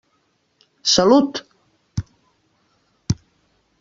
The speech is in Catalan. Salut!